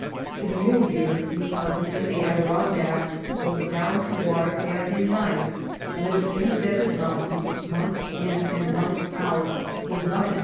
The mule deer whose cousin in the Adirondacks goes down to water every night, lives in the desert mountains, month in and month out with nothing more Rock squirrels.